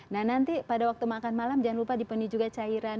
nah nanti pada waktu makan malam jangan lupa dipenuhi juga cairan